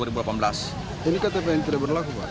ini ktp yang tidak berlaku pak